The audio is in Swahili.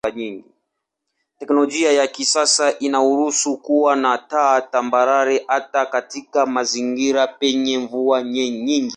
Teknolojia ya kisasa inaruhusu kuwa na taa tambarare hata katika mazingira penye mvua nyingi.